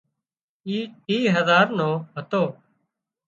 اي ٽِيهه هزار نو هتو